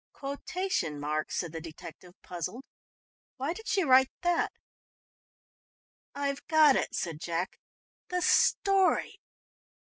"Quotation marks," said the detective, puzzled. "Why did she write that?" "I've got it," said Jack. "The story!